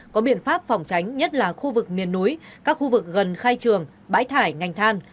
có biện pháp phòng tránh nhất là khu vực miền núi các khu vực gần khai trường bãi thải ngành than